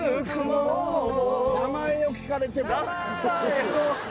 「名前を聞かれても」